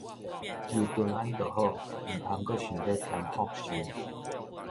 求平安就好，毋通閣想欲添福壽